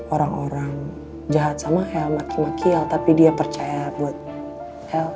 orang orang jahat sama el maki maki el tapi dia percaya buat el